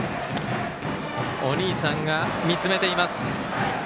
お兄さんが見つめています。